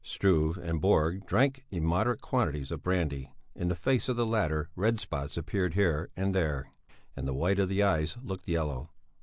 Struve and Borg drank immoderate quantities of brandy; in the face of the latter red spots appeared here and there, and the white of the eyes looked yellow.